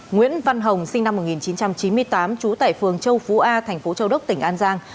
nguyễn văn hồng sinh năm một nghìn chín trăm chín mươi tám trú tại phường châu phú a thành phố châu đốc tỉnh an giang